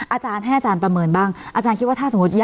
อาจารย์ให้อาจารย์ประเมินบ้างอาจารย์คิดว่าถ้าสมมุติ